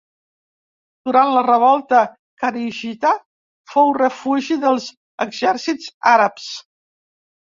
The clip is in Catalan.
Durant la revolta kharigita fou refugi dels exèrcits àrabs.